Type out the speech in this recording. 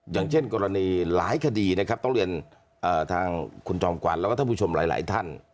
อย่างเช่นกรณีหลายคดีนะครับต้องเรียนทางคุณจอมขวัญแล้วก็ท่านผู้ชมหลายท่าน